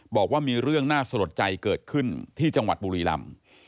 บอกว่ามีเรื่องน่าสะลดใจเกิดขึ้นที่จังหวัดบุรีลำ